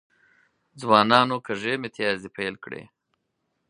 ځوانانو کږې میتیازې پیل کړي.